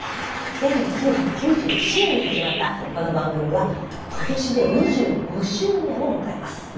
１９９７年に始まったこの番組は今年で２５周年を迎えます。